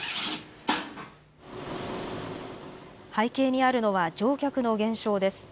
背景にあるのは、乗客の減少です。